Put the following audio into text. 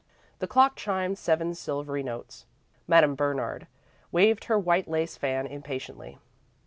The clock chimed seven silvery notes. Madame Bernard waved her white lace fan impatiently.